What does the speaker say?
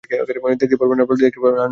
দেখতে পাবেন আর্নল্ড।